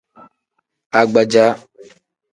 Agbaja.